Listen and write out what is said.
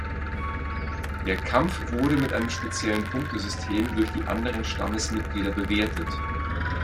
Der Kampf wurde mit einem speziellen Punktesystem durch die anderen Stammesmitgliedern bewertet.